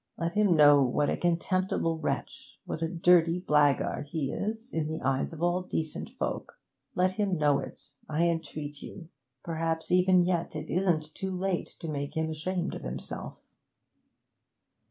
Let him know what a contemptible wretch, what a dirty blackguard, he is in the eyes of all decent folk let him know it, I entreat you! Perhaps even yet it isn't too late to make him ashamed of himself.'